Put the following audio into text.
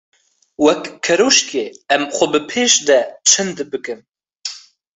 Weke keroşkê em xwe bi pêş de çind bikin.